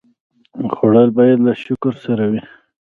خوړل باید د شکر سره وي